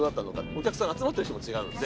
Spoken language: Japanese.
お客さん集まってる人も違うんで。